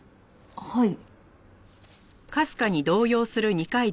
はい。